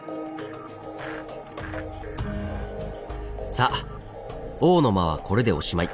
さあ「王の間」はこれでおしまい。